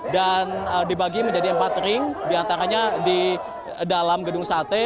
dan dibagi menjadi empat ring diantaranya di dalam gedung sate